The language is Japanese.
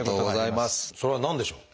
それは何でしょう？